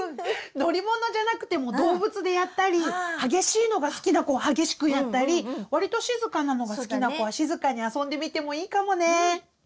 乗り物じゃなくても動物でやったり激しいのが好きな子は激しくやったりわりと静かなのが好きな子は静かに遊んでみてもいいかもね！